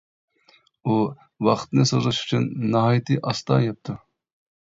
ئۇ ۋاقىتنى سوزۇش ئۈچۈن ناھايىتى ئاستا يەپتۇ.